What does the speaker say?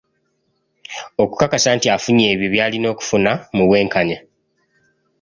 Okukakasa nti afunye ebyo by’alina okufuna mu bwenkanya.